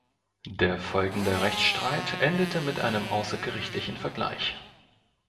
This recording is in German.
Der folgende Rechtsstreit endete mit einem außergerichtlichen Vergleich.